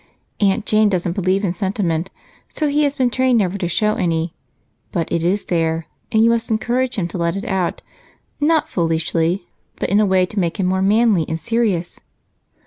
Aunt Jane doesn't believe in sentiment, so he has been trained never to show any, but it is there, and you must encourage him to let it out, not foolishly, but in a way to make him more manly and serious."